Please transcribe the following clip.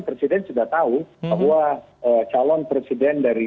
presiden sudah tahu bahwa calon presiden dari p tiga